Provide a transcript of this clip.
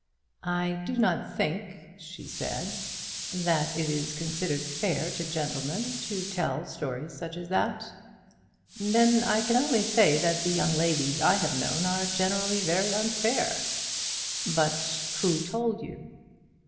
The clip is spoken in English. "I do not think," she said, "that it is considered fair to gentlemen to tell such stories as that." "Then I can only say that the young ladies I have known are generally very unfair." "But who told you?"